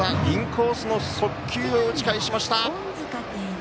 インコースの速球を打ち返しました。